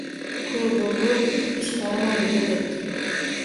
Ko'r bo'lgur, hech qaramaydi go'dakka.